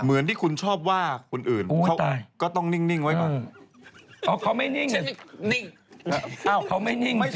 เหมือนที่คุณชอบว่าคนอื่นเขาก็ต้องนิ่งไว้ก่อน